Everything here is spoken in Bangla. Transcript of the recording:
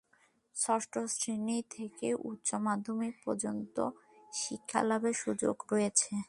ষষ্ঠ শ্রেণী থেকে উচ্চ মাধ্যমিক পর্যায় পর্যন্ত শিক্ষালাভের সুযোগ রয়েছে।